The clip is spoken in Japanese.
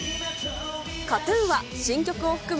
ＫＡＴ−ＴＵＮは新曲を含む